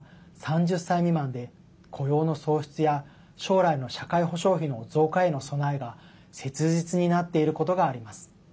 背景には、国民の人口の６割が３０歳未満で雇用の創出や、将来の社会保障費の増加への備えが切実になっていることがあります。